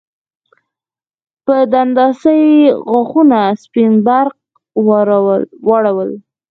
په دنداسه یې غاښونه سپین پړق واړول